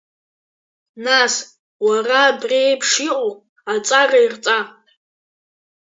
Нас, уара абри иеиԥш иҟоу аҵара ирҵа?